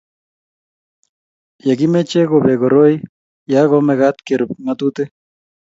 ye kimeche kobek koroi ya ko mekat kerub ng'atutik